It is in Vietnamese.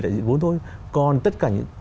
đại diện vốn thôi còn tất cả những